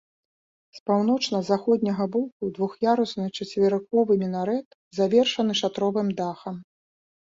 З паўночна-заходняга боку двух'ярусны чацверыковы мінарэт, завершаны шатровым дахам.